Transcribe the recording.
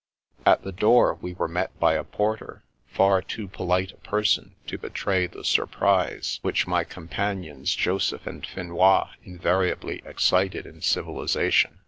At the door we were met by a porter, far too polite a person to betray the surprise which my companions Joseph and Finois invariably excited in civilisation.